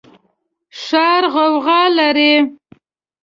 ښار غوغا لري